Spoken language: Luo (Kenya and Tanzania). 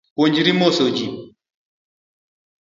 Puojri moso ji